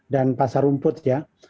dan pasar rumput ya